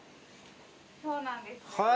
そうなんですよ。